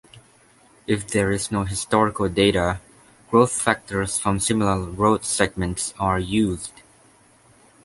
If there is no historical data, Growth Factors from similar road segments are used.